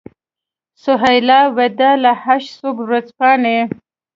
سهیلا وداع له هشت صبح ورځپاڼې.